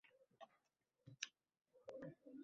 Chunki tumanning kecha va buguni shu idora.